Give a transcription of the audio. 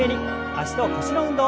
脚と腰の運動。